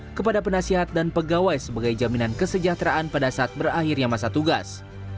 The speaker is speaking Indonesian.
ini juga menambahkan penasihat dan pegawai sebagai jaminan kesejahteraan pada saat berakhirnya masa tugas